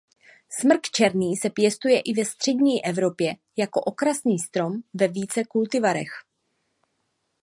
Smrk černý se pěstuje i ve střední Evropě jako okrasný strom ve více kultivarech.